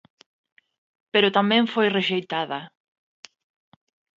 Pero tamén foi rexeitada.